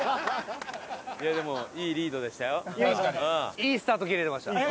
いいスタート切れてました。